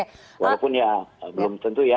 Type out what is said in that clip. walaupun ya belum tentu ya